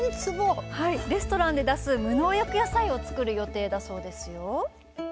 レストランで出す無農薬野菜を作る予定だそうですよ。